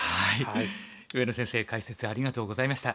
上野先生解説ありがとうございました。